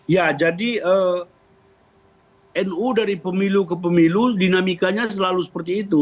ya jadi nu dari pemilu ke pemilu dinamikanya selalu seperti itu